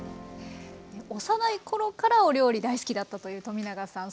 幼い頃からお料理大好きだったという冨永さん